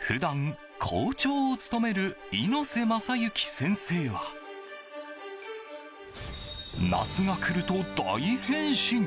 普段、校長を務める猪瀬政幸先生は夏が来ると大変身！